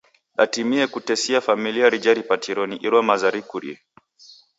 Datimie kutesia familia rija ripatiro ni iro maza rikurie.